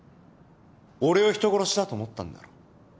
俺を人殺しだと思ったんだろ？